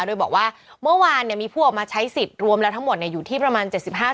โดยบอกว่าเมื่อวานมีผู้ออกมาใช้สิทธิ์รวมแล้วทั้งหมดอยู่ที่ประมาณ๗๕คน